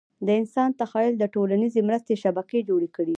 د انسان تخیل د ټولیزې مرستې شبکې جوړې کړې.